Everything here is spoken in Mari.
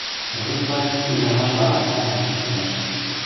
Совет власть ӱдырамашланат каньылым ыштынеже.